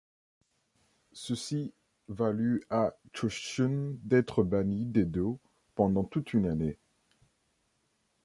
Ceci valu à Chōshun d'être banni d'Edo pendant toute une année.